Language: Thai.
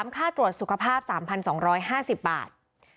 ค่าตรวจสุขภาพ๓๒๕๐บาท